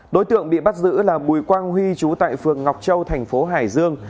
đối tượng bị bắt giữ là bùi quang huy chú tại phường ngọc châu thành phố hải dương